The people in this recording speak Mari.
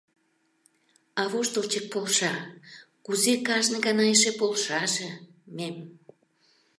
А воштылчык полша, кузе кажне гана эше полшаже, мэм!